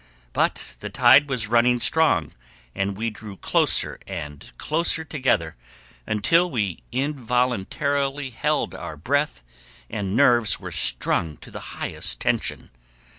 But the tide was running strong, and we drew closer and closer together, until we involuntarily held our breath, and nerves were strung to the highest tension.